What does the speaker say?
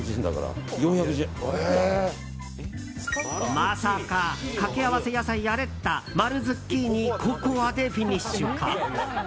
まさか掛け合わせ野菜アレッタ丸ズッキーニ、ココアでフィニッシュか。